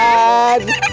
satu dua tiga